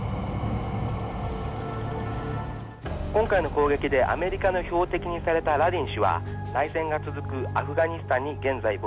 「今回の攻撃でアメリカの標的にされたラディン氏は内戦が続くアフガニスタンに現在亡命しています」。